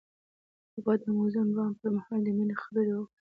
هغه د موزون بام پر مهال د مینې خبرې وکړې.